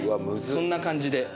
そんな感じで。